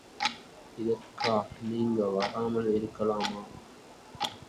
இதற்கா நீங்கள் வராமல் இருக்கலாமா?